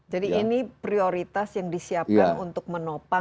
jadi ini prioritas yang disiapkan untuk menopang